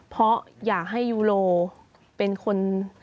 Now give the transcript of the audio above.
เพราะอยากให้ยูโรเป็นคน